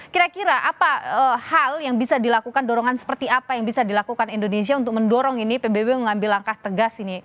kira kira apa hal yang bisa dilakukan dorongan seperti apa yang bisa dilakukan indonesia untuk mendorong ini pbb mengambil langkah tegas ini